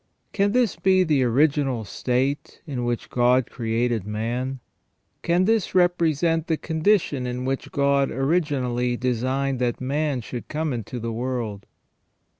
Can this be the original state in which God created man ? Can this represent the condition in which God originally designed that man should come into the world